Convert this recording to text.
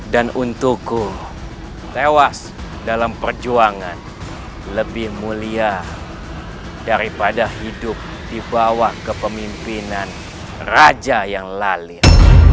dan untukku lewas dalam perjuangan lebih mulia daripada hidup di bawah kepemimpinan raja yang lalir